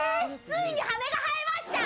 ついに羽が生えました